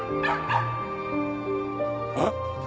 あっ？